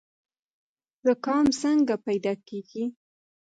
زکام څنګه پیدا کیږي؟